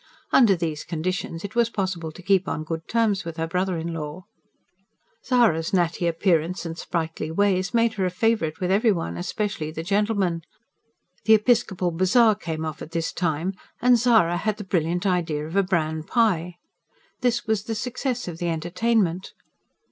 Under these conditions it was possible to keep on good terms with her brother in law. Zara's natty appearance and sprightly ways made her a favourite with every one especially the gentlemen. The episcopal bazaar came off at this time; and Zara had the brilliant idea of a bran pie. This was the success of the entertainment.